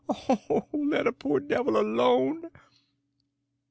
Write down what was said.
Oh, let a poor devil alone!"